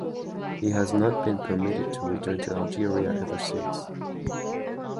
He has not been permitted to return to Algeria ever since.